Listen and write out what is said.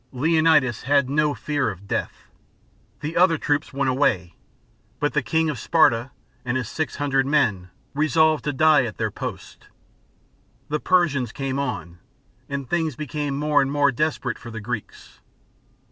Leonidas had no fear of death. The other troops went away, but the King of Sparta and his six hundred men resolved to die at their post. The Persians came on, and things became more and more desperate for the Greeks.